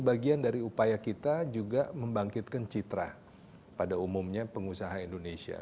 bagian dari upaya kita juga membangkitkan citra pada umumnya pengusaha indonesia